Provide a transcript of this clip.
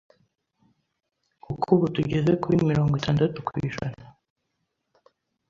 kuko ubu tugeze kuri mirongo itandatu kw’ijana